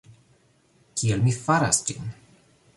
Kiel mi faras ĝin?